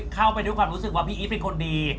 เข้าไปด้วยความรู้สึกว่าพี่อีฟเป็นคนดี